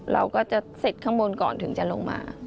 เราก็จะเสร็จข้างบนก่อนถึงจะลงมา